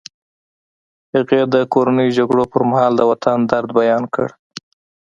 هغې د کورنیو جګړو پر مهال د وطن درد بیان کړ